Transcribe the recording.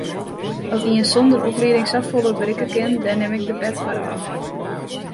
At ien sonder oplieding safolle berikke kin, dêr nim ik de pet foar ôf.